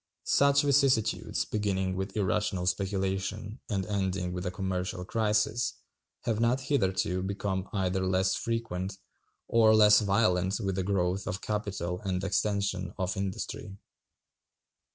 Such vicissitudes, beginning with irrational speculation and ending with a commercial crisis, have not hitherto become either less frequent or less violent with the growth of capital and extension of industry.